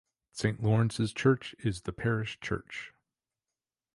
Saint Lawrence's Church is the parish church.